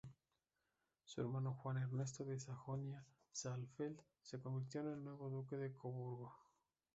Su hermano Juan Ernesto de Sajonia-Saalfeld se convirtió en el nuevo Duque de Coburgo.